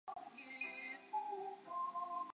然而它们有能力直接从高处滑行到地面。